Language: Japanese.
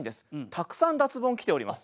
たくさん脱ボン来ております。